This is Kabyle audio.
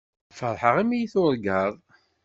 Feṛḥeɣ imi iyi-tuṛǧaḍ.